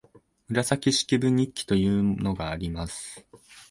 「紫式部日記」というのがあります